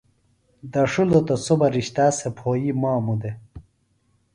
دڇھِلوۡ تہ سوۡ بہ رِشتا سےۡ پھوئی ماموۡ دےۡ